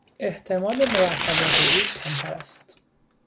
احتمال موفقیت او کمتر است.